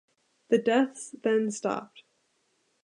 The deaths then stopped.